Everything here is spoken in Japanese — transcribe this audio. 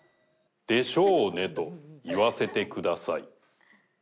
でしょーね！と言わせてください。